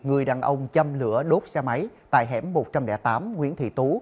người đàn ông chăm lửa đốt xe máy tại hẻm một trăm linh tám nguyễn thị tú